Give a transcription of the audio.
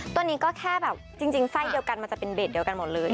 ตัวนี้ก็แค่แบบจริงไส้เดียวกันมันจะเป็นเบสเดียวกันหมดเลย